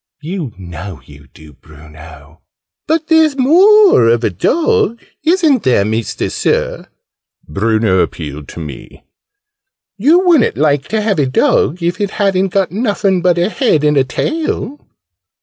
"You know you do, Bruno!" "But there's more of a dog, isn't there, Mister Sir?" Bruno appealed to me. "You wouldn't like to have a dog if it hadn't got nuffin but a head and a tail?"